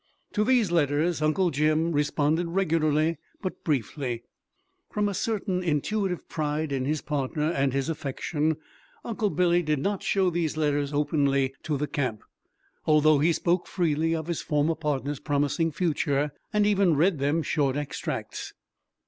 To these letters Uncle Jim responded regularly but briefly. From a certain intuitive pride in his partner and his affection, Uncle Billy did not show these letters openly to the camp, although he spoke freely of his former partner's promising future, and even read them short extracts.